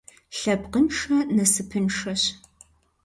Лъэпкъыншэ насыпыншэщ.